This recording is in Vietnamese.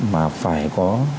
mà phải có